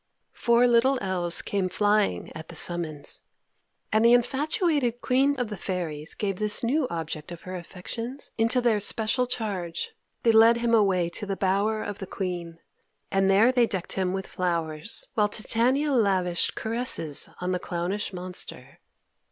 Four little elves came flying at the summons, and the infatuated Queen of the Fairies gave this new object of her affections into their special charge. They led him away to the bower of the Queen, and there they decked him with flowers, while Titania lavished caresses on the clownish monster.